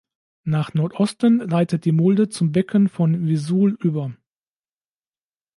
Nach Nordosten leitet die Mulde zum Becken von Vesoul über.